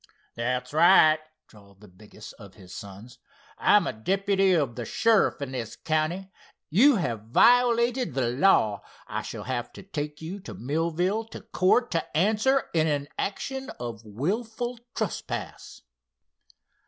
"That's right," drawled the biggest of his sons. "I'm a deputy of the sheriff in this county. You have violated the law. I shall have to take you to Millville to court to answer in an action of wilful trespass."